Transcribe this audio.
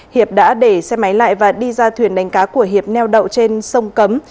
hiệp đã để xe máy lại và đi ra thuyền đánh cá của hiệp neo đậu trên sông cấm